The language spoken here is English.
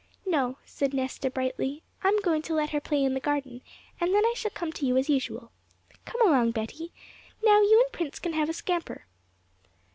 'No,' said Nesta brightly, 'I am going to let her play in the garden, and then I shall come to you as usual. Come along, Betty; now you and Prince can have a scamper.'